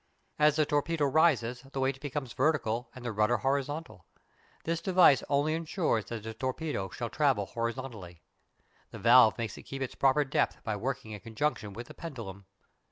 As the torpedo rises the weight becomes vertical and the rudder horizontal. This device only insures that the torpedo shall travel horizontally. The valve makes it keep its proper depth by working in conjunction with the pendulum.